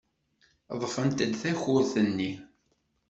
Ḍḍfent-d takurt-nni.